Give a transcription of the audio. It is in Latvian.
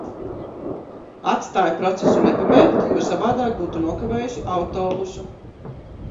Atstāju procesu nepabeigtu, jo savādāk būtu nokavējusi autobusu.